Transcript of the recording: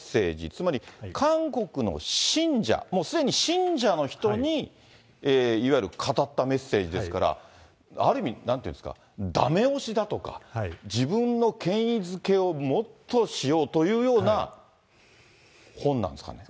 つまり韓国の信者、もうすでに信者の人に、いわゆる語ったメッセージですから、ある意味、なんて言うんですか、だめ押しだとか、自分の権威づけをもっとしようというような本なんですかね。